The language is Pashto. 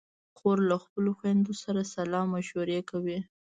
خور له خپلو خویندو سره سلا مشورې کوي.